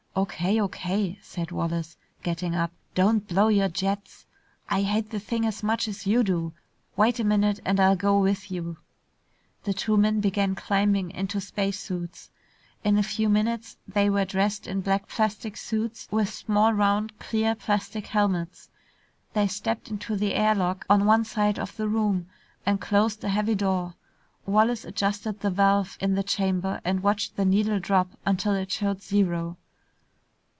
"O.K., O.K.," said Wallace, getting up. "Don't blow your jets. I hate the thing as much as you do. Wait a minute and I'll go with you." The two men began climbing into space suits. In a few minutes they were dressed in black plastic suits with small round clear plastic helmets. They stepped into the air lock on one side of the room and closed a heavy door. Wallace adjusted the valve in the chamber and watched the needle drop until it showed zero.